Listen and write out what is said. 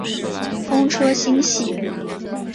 风车星系。